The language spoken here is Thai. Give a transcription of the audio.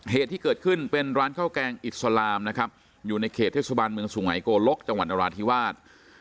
เหตุที่เกิดขึ้นเป็นร้านข้าวแกงอิสลามนะครับอยู่ในเขตเทศบาลเมืองสุไงโกลกจังหวัดนราธิวาส